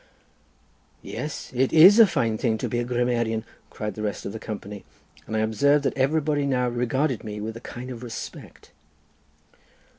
"Yes, it is a fine thing to be a grammarian," cried the rest of the company, and I observed that everybody now regarded me with a kind of respect.